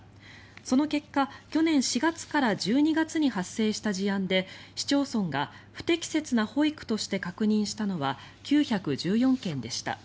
その結果、去年４月から１２月に発生した事案で市町村が不適切な保育として確認したのは９１４件でした。